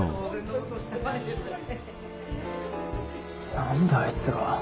何であいつが。